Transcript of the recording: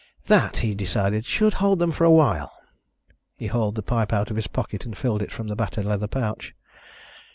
"That," he decided, "should hold them for a while." He hauled the pipe out of his pocket and filled it from the battered leather pouch.